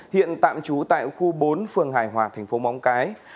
hiện tạm trú tại khu bốn phương hải hòa tp mong cái